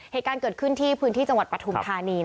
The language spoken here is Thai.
เหตุการณ์เกิดขึ้นที่พื้นที่จังหวัดปฐุมธานี